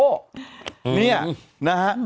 ซีดีโป๊นี้นะฮะ